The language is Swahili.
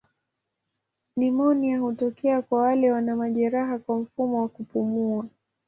Nimonia hutokea kwa wale wana majeraha kwa mfumo wa kupumua.